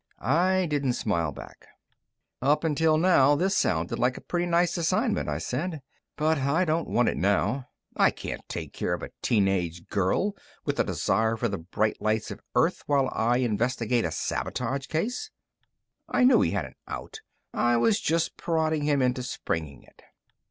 I didn't smile back. "Up till now, this sounded like a pretty nice assignment," I said. "But I don't want it now. I can't take care of a teenage girl with a desire for the bright lights of Earth while I investigate a sabotage case." I knew he had an out; I was just prodding him into springing it.